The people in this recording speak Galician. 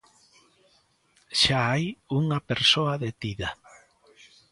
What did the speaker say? Xa hai unha persoa detida.